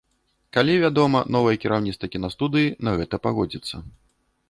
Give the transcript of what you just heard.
Калі, вядома, новае кіраўніцтва кінастудыі на гэта пагодзіцца.